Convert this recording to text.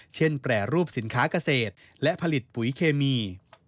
แปรรูปสินค้าเกษตรและผลิตปุ๋ยเคมี